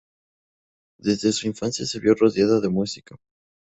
Desde su infancia se vio rodeada de música.